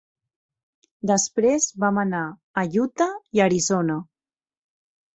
Després vam anar a Utah i Arizona.